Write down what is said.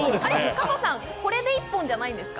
加藤さん、これで１本じゃないんですか？